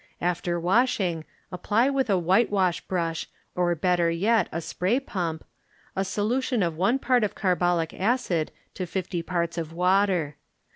After wash ing, apply with a whitewash brush, or better yet a spray pump, a scdution of one part of carbolic acid to fifty parts of water.